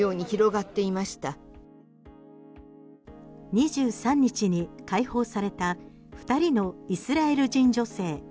２３日に解放された２人のイスラエル人女性。